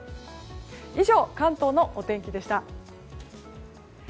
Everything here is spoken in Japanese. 以上、関東のお天気でした。